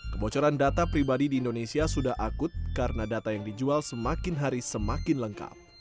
kebocoran data pribadi di indonesia sudah akut karena data yang dijual semakin hari semakin lengkap